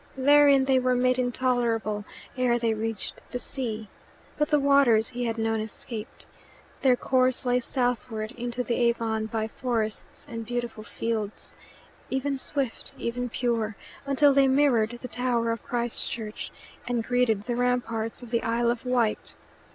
Therein they were made intolerable ere they reached the sea. But the waters he had known escaped. Their course lay southward into the Avon by forests and beautiful fields, even swift, even pure, until they mirrored the tower of Christchurch and greeted the ramparts of the Isle of Wight.